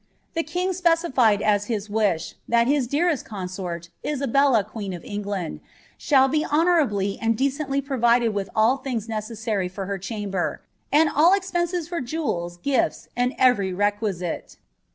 The king specilied as his wish, " that his dearest cooMirt, babelU queen of England, shall be honourably and decently provided with all things necessary for her chamber; and all expenses for jewels, gifts, and every other requisite."'